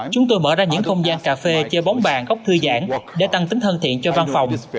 chúng tôi mở ra những không gian cà phê chơi bóng bàn góc thư giãn để tăng tính thân thiện cho văn phòng